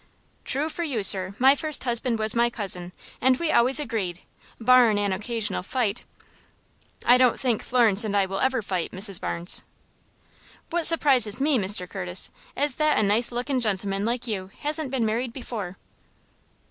"Thrue for you, sir. My first husband was my cousin, and we always agreed, barrin' an occasional fight " "I don't think Florence and I will ever fight, Mrs. Barnes." "What surprises me, Mr. Curtis, is that a nice lookin' gentleman like you hasn't been married before."